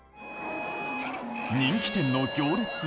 人気店の行列？